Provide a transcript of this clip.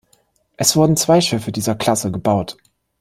Es wurden zwei Schiffe dieser Klasse gebaut.